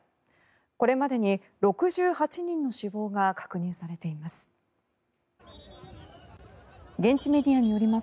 これまでに６８人の死亡が確認されています。